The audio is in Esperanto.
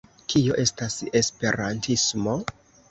Kio estas esperantismo?